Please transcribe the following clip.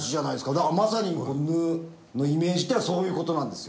だからまさに「ぬ」のイメージっていうのはそういう事なんですよ。